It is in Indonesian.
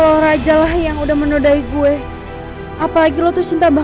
harus nyobanya terus picture binnt